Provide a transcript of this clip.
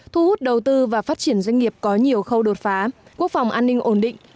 thu hút đầu tư và phát triển doanh nghiệp có nhiều khâu đột phá quốc phòng an ninh ổn định